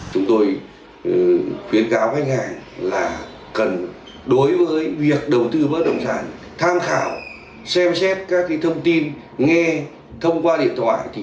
chúng tôi khuyến cáo khách hàng là cần đối với việc đầu tư bất động sản tham khảo xem xét các thông tin nghe thông qua điện thoại